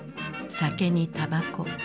酒にたばこ。